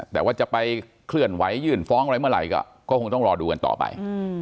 แต่ว่าจะไปเคลื่อนไหวยื่นฟ้องอะไรเมื่อไหร่ก็คงต้องรอดูกันต่อไป